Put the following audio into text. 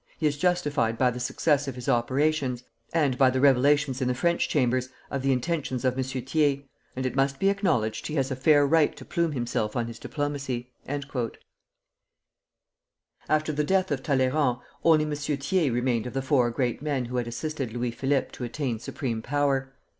He is justified by the success of his operations, and by the revelations in the French Chambers of the intentions of M. Thiers; and it must be acknowledged he has a fair right to plume himself on his diplomacy." After the death of Talleyrand, only M. Thiers remained of the four great men who had assisted Louis Philippe to attain supreme power.